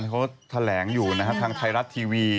คำที่คุณกานทะแหลงอยู่ทางไทยรัสต์ทีวี